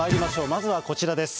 まずはこちらです。